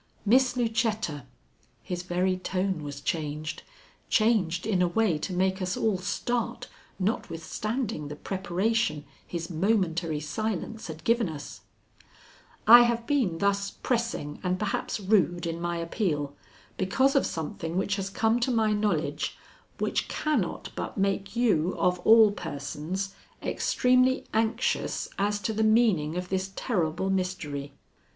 "Miss Lucetta," his very tone was changed, changed in a way to make us all start notwithstanding the preparation his momentary silence had given us "I have been thus pressing and perhaps rude in my appeal, because of something which has come to my knowledge which cannot but make you of all persons extremely anxious as to the meaning of this terrible mystery.